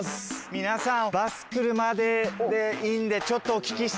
皆さん。